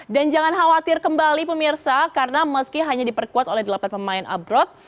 dan jangan khawatir kembali pemirsa karena meski hanya diperkuat oleh delapan pemain abroad